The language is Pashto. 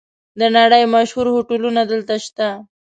د نړۍ مشهور هوټلونه دلته شته.